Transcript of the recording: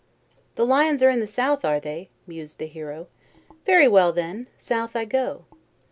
"The lions are in the South, are they?" mused the hero. "Very well, then. South I go."